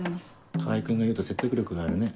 川合君が言うと説得力があるね。